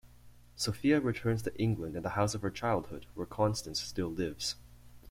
Sophia returns to England and the house of her childhood, where Constance still lives.